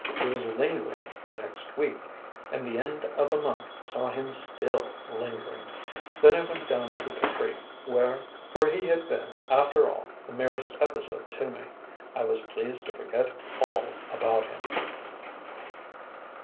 He was lingering the next week, and the end of a month saw him still "lingering." Then I went down to Capri, where for he had been after all the merest episode to me I was pleased to forget all about him.